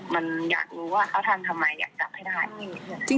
มันอยากรู้ว่าเขาทำทำไมอยากจับให้ได้